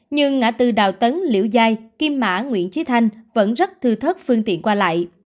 nhưng ngã tư đào tấn liễu giai kim mã nguyễn trí thanh vẫn rất thưa thất phương tiện qua lại